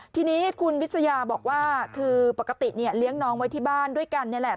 ทีนี้คุณวิทยาบอกว่าคือปกติเนี่ยเลี้ยงน้องไว้ที่บ้านด้วยกันนี่แหละ